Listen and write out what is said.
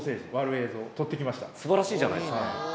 素晴らしいじゃないですか。